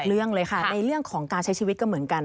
เรื่องเลยค่ะในเรื่องของการใช้ชีวิตก็เหมือนกัน